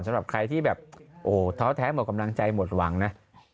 สำหรับใครที่แบบโอ้โหท้อแท้หมดกำลังใจหมดหวังนะ